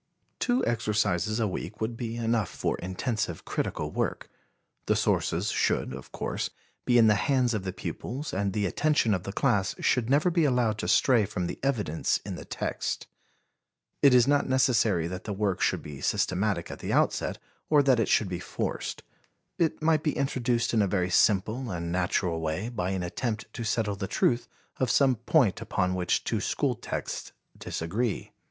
Two exercises a week would be enough for intensive critical work. The sources should, of course, be in the hands of the pupils and the attention of the class should never be allowed to stray from the evidence in the text. It is not necessary that the work should be systematic at the outset or that it should be forced. It might be introduced in a very simple and natural way by an attempt to settle the truth of some point upon which two school texts disagree.